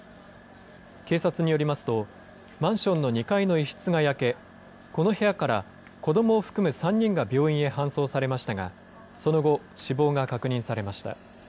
警察によりますと、マンションの２階の一室が焼け、この部屋から子どもを含む３人が病院へ搬送されましたが、その後、死亡が確認されました。